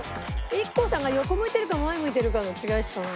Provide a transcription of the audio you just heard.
ＩＫＫＯさんが横向いてるか前向いてるかの違いしかない。